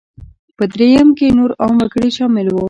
په درېیم کې نور عام وګړي شامل وو.